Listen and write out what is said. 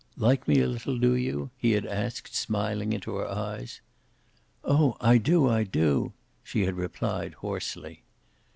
"Like me a little, do you?" he had asked, smiling into her eyes. "Oh, I do, I do!" she had replied, hoarsely.